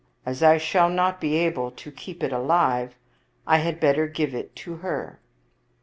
As I shall not be able to keep it alive, I had better give it to her."